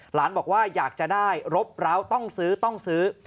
หลานบอกว่าอยากจะได้รบร้าวต้องซื้อต้องซื้อ